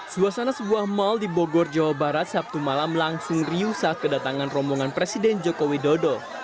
suasana sebuah mal di bogor jawa barat sabtu malam langsung riusah kedatangan rombongan presiden jokowi dodo